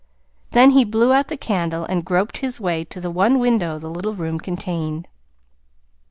Then he blew out the candle and groped his way to the one window the little room contained.